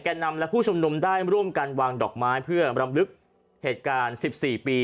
นำและผู้ชุมนุมได้ร่วมกันวางดอกไม้เพื่อรำลึกเหตุการณ์๑๔ปี